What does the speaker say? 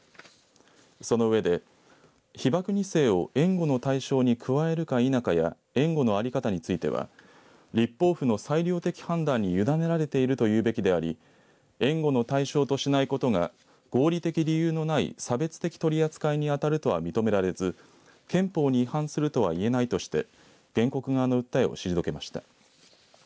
そのうえで被爆２世を援護の対象に加えるか否かや援護の在り方については立法府の裁量的判断に委ねられていると言うべきであり援護の対象としないことが合理的理由のない差別的取り扱いに当たるとは認められず憲法に違反するとはいえないとして原告側の訴えを退けました。